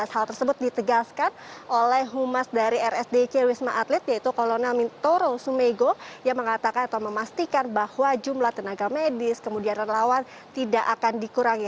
hal tersebut ditegaskan oleh humas dari rsdc wisma atlet yaitu kolonel mintoro sumego yang mengatakan atau memastikan bahwa jumlah tenaga medis kemudian relawan tidak akan dikurangi